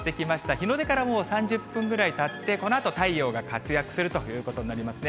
日の出からもう３０分ぐらいたって、このあと太陽が活躍するということになりますね。